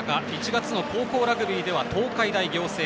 １月の高校ラグビーでは東海大仰星。